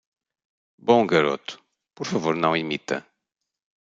Bom garoto, por favor não imita